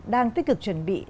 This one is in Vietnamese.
đang tích cực chuẩn bị